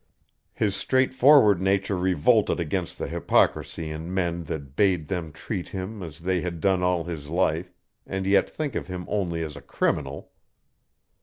His straightforward nature revolted against the hypocrisy in men that bade them treat him as they had done all his life, and yet think of him only as a criminal.